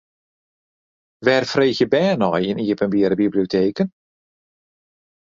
Wêr freegje bern nei yn iepenbiere biblioteken?